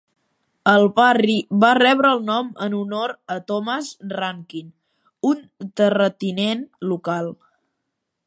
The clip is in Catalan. El barri va rebre el nom en honor a Thomas Rankin, un terratinent local.